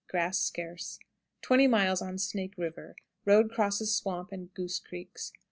Grass scarce. 20. On Snake River. Road crosses Swamp and Goose Creeks.